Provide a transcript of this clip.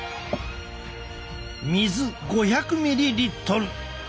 水５００ミリリットル！